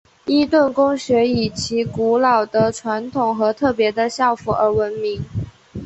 伊顿公学以其古老的传统和特别的校服而闻名。